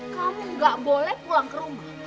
kamu gak boleh pulang ke rumah